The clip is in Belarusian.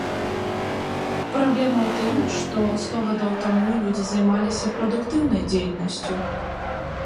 Праблема ў тым, што сто гадоў таму людзі займаліся прадуктыўнай дзейнасцю.